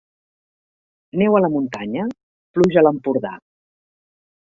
Neu a muntanya, pluja a l'Empordà.